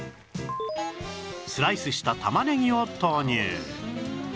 スライスした玉ねぎを投入